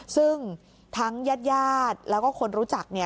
ซึ่งทั้งญาติแล้วก็คนรู้จัก